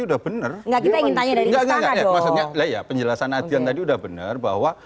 udah bener ngak kita ingin tanya dari istana doang ya penjelasan adian tadi udah bener bahwa